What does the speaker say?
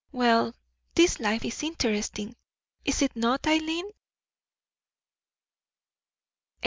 Well, this life is interesting, is it not, Eileen?"